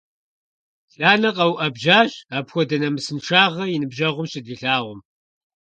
Ланэ къэуӀэбжьащ, апхуэдэ нэмысыншагъэ и ныбжьэгъум щыдилъагъум.